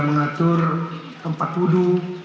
mengatur tempat wudhu